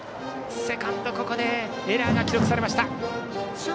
セカンドのエラーが記録されました。